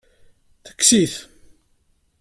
Tekkes-it.